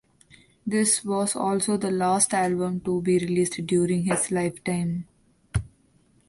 This was also the last album to be released during his lifetime.